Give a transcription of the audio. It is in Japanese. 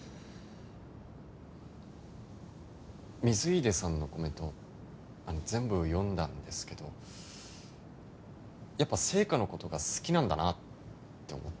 水出さんのコメント全部読んだんですけどやっぱ『ＳＥＩＫＡ』の事が好きなんだなって思って。